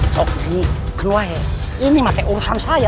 sok ini kenapa ini masih urusan saya